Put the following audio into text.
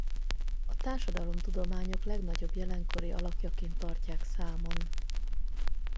A társadalomtudományok legnagyobb jelenkori alakjaként tartják számon.